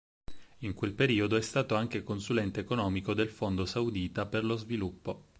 In quel periodo è stato anche consulente economico del Fondo saudita per lo sviluppo.